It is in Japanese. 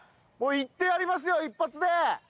いってやりますよ一発で。